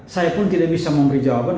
saya pun tidak bisa memberi jawaban